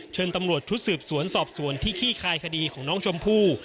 เชิญตำรวจชุดสืบสวนสอบสวนที่ขี้คายคดีของน้องชมพู่